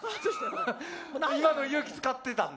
今の勇気使ってたんだ？